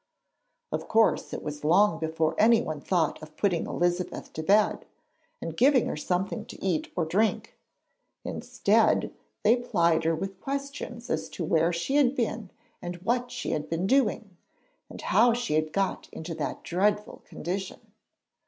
Of course it was long before anyone thought of putting Elizabeth to bed, and giving her something to eat or drink; instead they plied her with questions as to where she had been and what she had been doing, and how she had got in that dreadful condition.